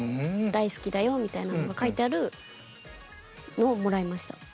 「大好きだよ」みたいなのが書いてあるのをもらいました。